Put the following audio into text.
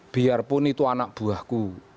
biarpun itu anak buahku